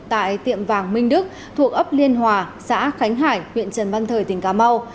tại tiệm vàng minh đức thuộc ấp liên hòa xã khánh hải huyện trần văn thời tỉnh cà mau